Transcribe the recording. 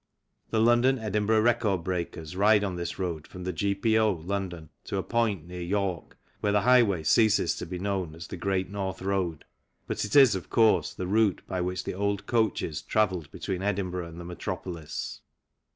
The London Edinburgh record breakers ride on this road from the G.P.O., London, to a point near York, where the highway ceases to be known as the " Great North Road " but it is, of course, the route by which the old coaches travelled between Edinburgh and the metropolis.